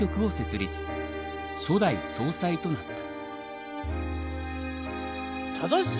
初代総裁となった。